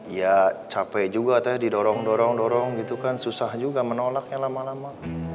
ya capek juga teh didorong dorong dorong gitu kan susah juga menolaknya lama lama